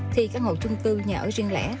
thì căn hộ chung cư nhà ở riêng lẻ